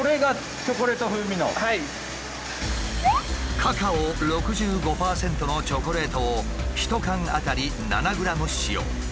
カカオ６５％のチョコレートを１缶あたり７ｇ使用。